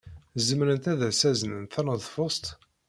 Zemrent ad as-aznent taneḍfust?